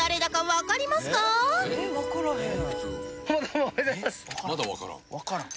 わからん。